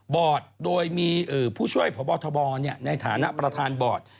บอร์ดโดยมีผู้ช่วยพบทบในฐานะประธานบอร์ด